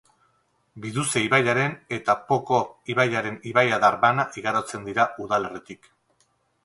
Biduze ibaiaren eta Paueko ibaiaren ibaiadar bana igarotzen dira udalerritik.